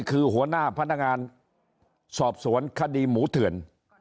คือหัวหน้าพนักงานสอบสวนคดีหมูเถื่อน